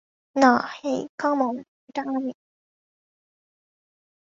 না, hey, come on, এটা আমি।